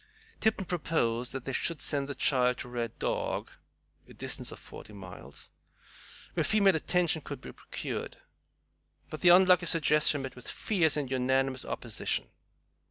Tipton proposed that they should send the child to Red Dog, a distance of forty miles, where female attention could be procured. But the unlucky suggestion met with fierce and unanimous opposition.